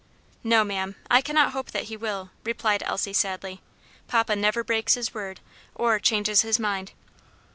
"No, ma'am, I cannot hope that he will," replied Elsie sadly; "papa never breaks his word or changes his mind."